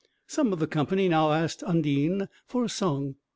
Some of the company now asked Undine for a song.